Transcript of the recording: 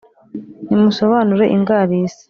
Nimusobanure ingarisi